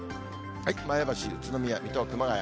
前橋、宇都宮、水戸、熊谷。